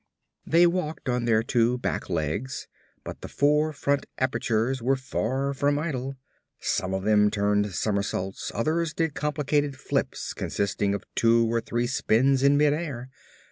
They walked on their two back legs but the four front apertures were far from idle. Some of them turned somersaults, others did complicated flips consisting of two or three spins in mid air.